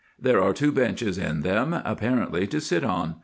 There are two benches in them, apparently to sit on.